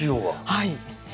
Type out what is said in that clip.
はい。